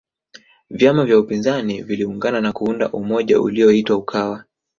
vyama vya upinzani viliungana na kuunda umoja uliyoitwa ukawa